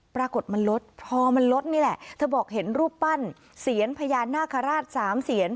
ปรากฏมันลดพอมันลดนี่แหละเธอบอกเห็นรูปปั้นเซียนพญานาคาราชสามเสียน